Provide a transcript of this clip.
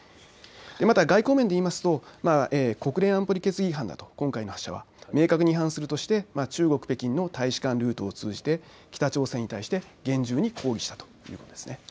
また外交面で言いますと国連安保理決議違反だと、今回の発射は明確に違反するとして中国、北京の大使館ルートを通じて北朝鮮に対して厳重に抗議したということです。